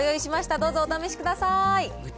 どうぞお試しください。